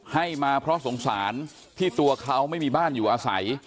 ให้มาเพราะสงสารที่ตัวเขาไม่มีบ้านอยู่อาศัย